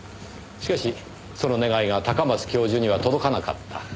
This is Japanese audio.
しかしその願いが高松教授には届かなかった。